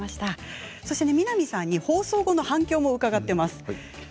南さんに放送後の反響も伺っています。